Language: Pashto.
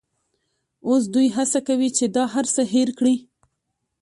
اوس دوی هڅه کوي چې دا هرڅه هېر کړي.